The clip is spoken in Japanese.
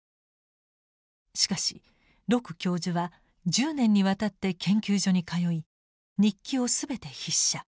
しかし鹿教授は１０年にわたって研究所に通い日記を全て筆写。